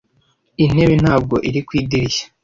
Intebe ntabwo iri ku idirishya.